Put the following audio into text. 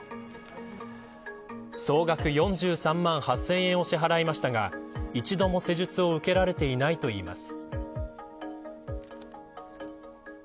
総額４３万８０００円を支払いましたが一度も施術を受けられていないといいます。